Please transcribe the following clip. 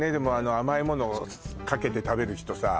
甘い物かけて食べる人さ